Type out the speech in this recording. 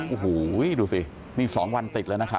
โอ้โหดูสินี่๒วันติดแล้วนะคะ